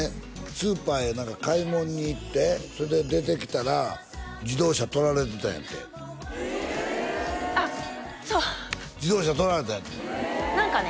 スーパーへ買い物に行ってそれで出てきたら自動車とられてたんやってええあっそう自動車とられたんやって何かね